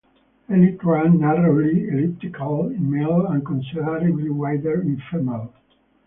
Elytra narrowly elliptical in male and considerably wider in female.